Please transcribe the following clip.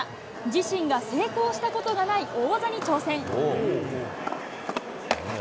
自身が成功したことがない大技に挑戦。